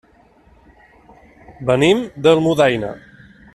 Venim d'Almudaina.